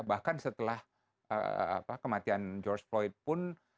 bahkan setelah kematian george floyd pun